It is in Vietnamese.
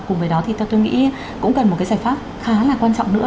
cùng với đó thì tôi nghĩ cũng cần một giải pháp khá là quan trọng nữa